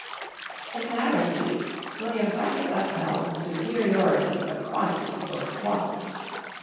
In the matter of sweets, William frankly upheld the superiority of quantity over quality.